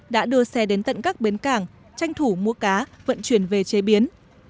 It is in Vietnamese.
đã đưa xe đến tận các bến cảng tranh thủ mua cá vận chuyển về chế biến